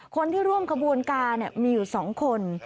คนที่ร่วมขบวนการมีอยู่๒คน